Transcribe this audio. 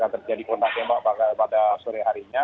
terjadi kontak tembak pada sore harinya